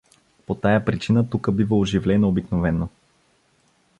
По тая причина тука бива оживлено обикновено.